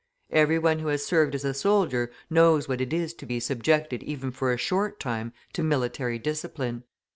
Every one who has served as a soldier knows what it is to be subjected even for a short time to military discipline.